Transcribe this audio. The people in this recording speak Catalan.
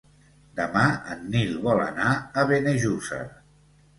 Demà en Nil vol anar a Benejússer.